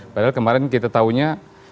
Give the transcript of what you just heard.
padahal kemarin kita taunya